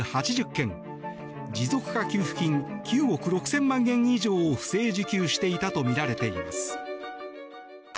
持続化給付金９億６０００万円以上を不正受給していたとみられています。